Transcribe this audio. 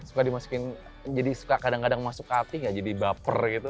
suka dimasukin jadi suka kadang kadang masuk hati gak jadi baper gitu